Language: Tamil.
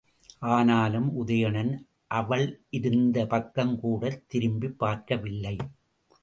ஆனாலும் உதயணன் அவளிருந்த பக்கம் கூடத் திரும்பிப் பார்க்கவில்லை.